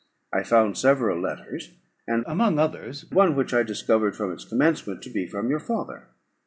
I found several letters, and, among others, one which I discovered from its commencement to be from your father.